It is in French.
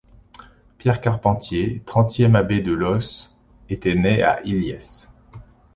Pierre Carpentier, trentième abbé de Loos, était né à Illies.